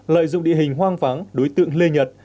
lợi dụng địa hình hoang vắng đối tượng lê nhật